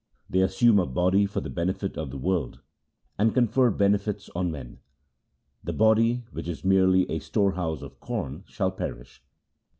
They assume a body for the benefit of the world, and confer benefits on men. The body, which is merely a store house of corn, shall perish.